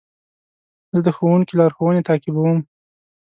زه د ښوونکي لارښوونې تعقیبوم.